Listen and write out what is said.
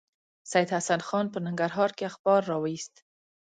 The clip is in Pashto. سید حسن خان په ننګرهار کې اخبار راوایست.